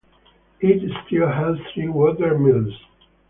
It still has three water mills.